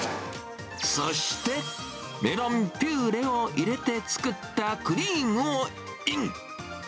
そして、メロンピューレを入れて作ったクリームをイン。